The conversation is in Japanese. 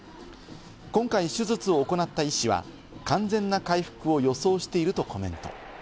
今回、手術を行った医師は完全な回復を予想しているとコメント。